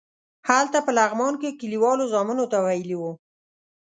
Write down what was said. هلته په لغمان کې کلیوالو زامنو ته ویلي وو.